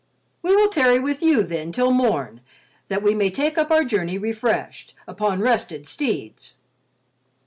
We will tarry with you then till morn that we may take up our journey refreshed, upon rested steeds."